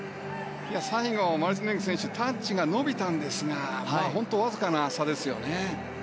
最後、マルティネンギ選手タッチが伸びたんですが本当にわずかな差でしたね。